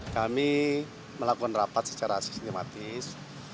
kami melakukan rapat secara sistematis